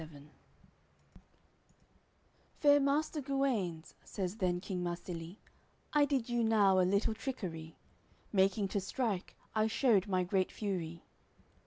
XXXIX "Fair Master Guenes," says then King Marsilie, "I did you now a little trickery, Making to strike, I shewed my great fury.